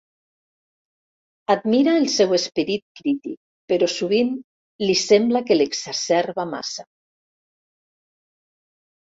Admira el seu esperit crític, però sovint li sembla que l'exacerba massa.